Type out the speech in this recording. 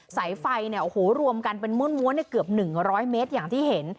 สายไฟเนี่ยโอ้โหรวมกันเป็นมื้อนม้วนในเกือบหนึ่งร้อยเมตรอย่างที่เห็น